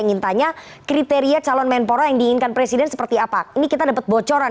ingin tanya kriteria calon menpora yang diinginkan presiden seperti apa ini kita dapat bocoran